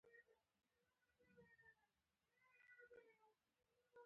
په راوروسته پېړيو کې اهل سنت منځ کې معتزله خبره نه شي